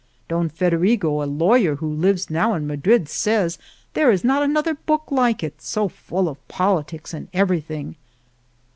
Don Federigo, a lawyer, who lives now in Madrid, says there is not another book like it, so full of politics and everything."